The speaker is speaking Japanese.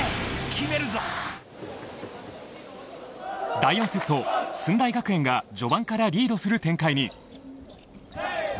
第４セット、駿台学園が序盤からリードする展開に。